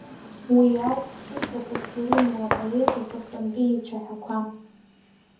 Уи ауп хшыҩҵакыс ирымоу апоет аҵыхәтәантәи ицәаҳәақәа.